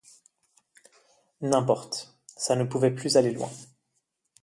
N'importe, ça ne pouvait plus aller loin.